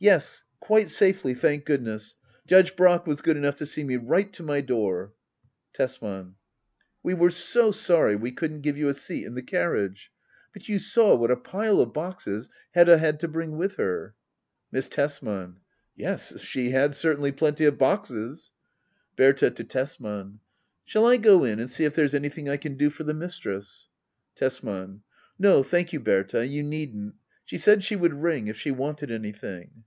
Yes, quite safely, thank goodness. Judge Brack was good enough to see me right to my door. Tesman. We were so sorry we couldn't give you a seat in Digitized by Google ACT I.] HBDDA OABLBR. 9 the carriage. But you saw what a pile of boxes Hedda had to bring with her. Miss Tesman. Yes, she had certainly plenty of boxes. Bbrta. [To Tesman.] Shall I go in and see if there's anything I can do for the mistress ? Tesman. No thank you^ Berta — ^you needn't. She said she would ring if she wanted anything.